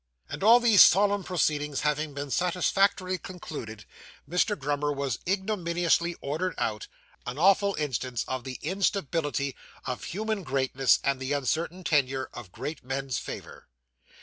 And all these solemn proceedings having been satisfactorily concluded, Mr. Grummer was ignominiously ordered out an awful instance of the instability of human greatness, and the uncertain tenure of great men's favour.